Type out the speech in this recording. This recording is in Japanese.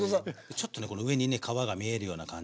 ちょっとね上にね皮が見えるような感じで。